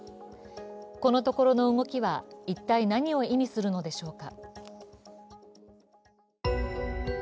このところの動きは一体何を意味するのでしょうか。